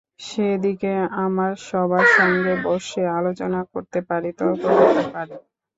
সেদিকে আমরা সবার সঙ্গে বসে আলোচনা করতে পারি, তর্ক করতে পারি।